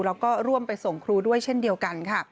แล้วก็ร่วมไปส่งครูด้วยเช่นเดียวกันค่ะ